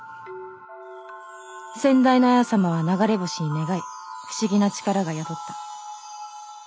先代の文様は流れ星に願い不思議な力が宿った。